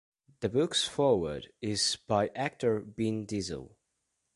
The book's foreword is by actor Vin Diesel.